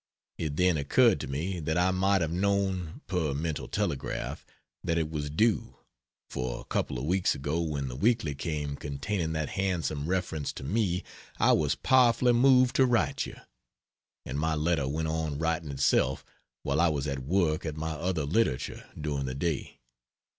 It then occurred to me that I might have known (per mental telegraph) that it was due; for a couple of weeks ago when the Weekly came containing that handsome reference to me I was powerfully moved to write you; and my letter went on writing itself while I was at work at my other literature during the day.